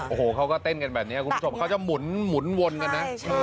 โอ้โหเขาก็เต้นกันแบบนี้คุณผู้ชมเขาจะหมุนวนกันนะ